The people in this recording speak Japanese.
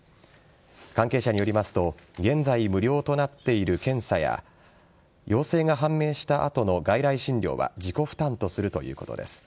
関係者によりますと現在、無料となっている検査や陽性が判明した後の外来診療は自己負担とするということです。